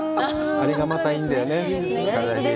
あれがまたいいんだよね。